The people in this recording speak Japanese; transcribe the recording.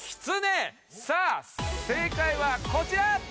さあ正解はこちら！